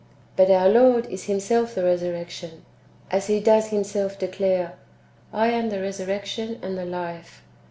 But our Lord is Himself the resurrection, as He does Himself declare, " I am the resurrection and the life."